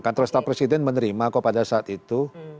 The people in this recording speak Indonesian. kan terlalu serta presiden menerima kok pada saat itu